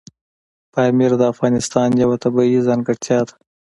پامیر د افغانستان یوه طبیعي ځانګړتیا ده.